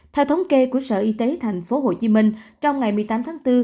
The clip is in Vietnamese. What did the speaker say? theo thống kê của sở y tế tp hcm trong ngày một mươi tám tháng bốn